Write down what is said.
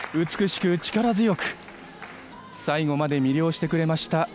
美しく、力強く最後まで魅了してくれました。